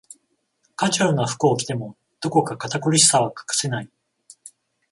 カジュアルな服を着ても、どこか堅苦しさは隠せない